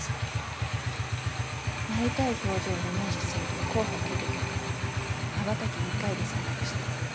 なりたい表情をイメージすると候補が出てくるからまばたき２回で選択して。